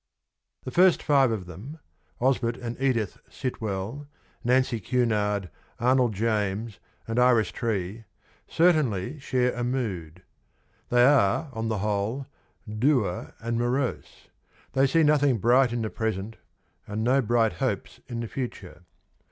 The first five of them — Osbert and Edith Sitwell, Nancy Cunard, Arnold James and Iris Tree — certainly share a mood. They are, on the whole, dour and morose ; they see nothing bright in the present, and no bright hopes in the future.